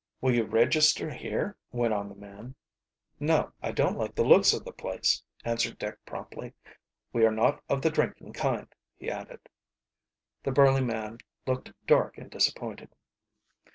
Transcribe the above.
"Will you register here?" went on the man. "No, I don't like the looks of the place," answered Dick promptly. "We are not of the drinking kind," he added. The burly man looked dark and disappointed.